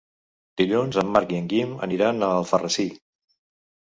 Dilluns en Marc i en Guim aniran a Alfarrasí.